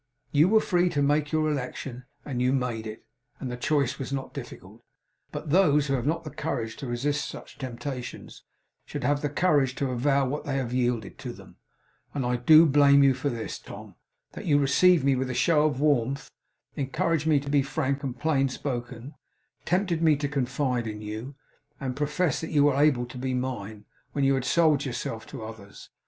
You were free to make your election, and you made it; and the choice was not difficult. But those who have not the courage to resist such temptations, should have the courage to avow what they have yielded to them; and I DO blame you for this, Tom: that you received me with a show of warmth, encouraged me to be frank and plain spoken, tempted me to confide in you, and professed that you were able to be mine; when you had sold yourself to others.